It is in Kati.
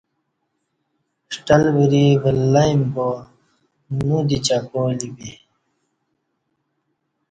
ݜٹل وری ولہ ایم بانو دی چپالی بی